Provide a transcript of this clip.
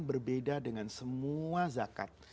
berbeda dengan semua zakat